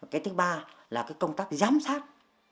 cái thứ ba là công tác giám sát